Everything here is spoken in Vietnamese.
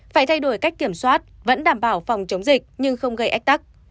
phải thay đổi cách kiểm soát vẫn đảm bảo phòng chống dịch nhưng không gây ách tắc